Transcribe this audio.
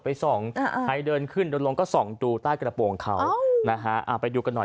ไปส่องใครเดินขึ้นเดินลงก็ส่องดูใต้กระโปรงเขานะฮะไปดูกันหน่อย